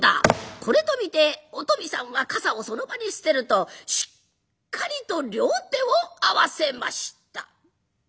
これと見てお富さんは傘をその場に捨てるとしっかりと両手を合わせました。